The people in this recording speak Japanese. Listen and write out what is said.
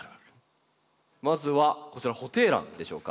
まずはこちらホテイランでしょうか。